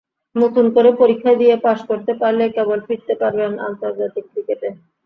নতুন করে পরীক্ষা দিয়ে পাস করতে পারলেই কেবল ফিরতে পারবেন আন্তর্জাতিক ক্রিকেটে।